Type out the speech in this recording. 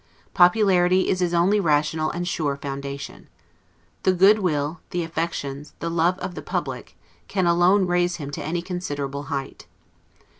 Popularity is his only rational and sure foundation. The good will, the affections, the love of the public, can alone raise him to any considerable height.